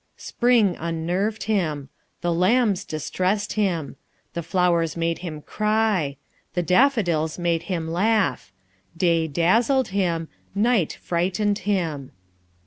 Spring unnerved him. The lambs distressed him. The flowers made him cry. The daffodils made him laugh. Day dazzled him. Night frightened him.